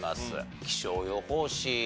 気象予報士